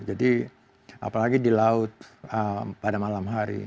jadi apalagi di laut pada malam hari